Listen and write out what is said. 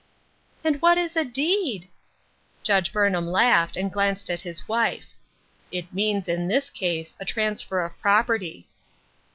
"And what is a deed ?" Judge Burnham laughed, and glanced at his wife. " It means, in this case, a transfer of property."